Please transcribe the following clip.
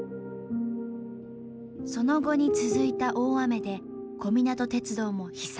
その後に続いた大雨で小湊鉄道も被災。